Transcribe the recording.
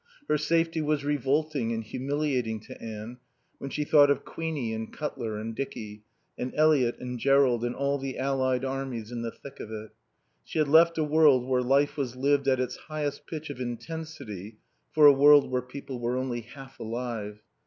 Her safety was revolting and humiliating to Anne when she thought of Queenie and Cutler and Dicky, and Eliot and Jerrold and all the allied armies in the thick of it. She had left a world where life was lived at its highest pitch of intensity for a world where people were only half alive.